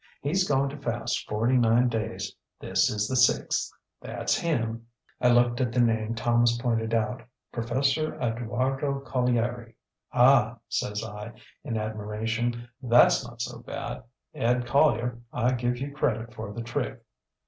HeŌĆÖs going to fast forty nine days. This is the sixth. ThatŌĆÖs him. ŌĆÖ ŌĆ£I looked at the name Thomas pointed outŌĆöŌĆśProfessor Eduardo Collieri.ŌĆÖ ŌĆśAh! ŌĆÖ says I, in admiration, ŌĆśthatŌĆÖs not so bad, Ed Collier. I give you credit for the trick.